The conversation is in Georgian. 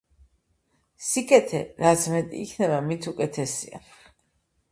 სიკეთე რაც მეტი იქნება მით უკეთესია